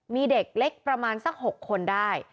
มีเด็กเล็กประมาณสัก๖คนได้